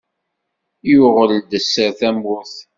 Yuɣel-d sser tamurt.